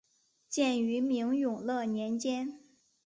建于明永乐年间。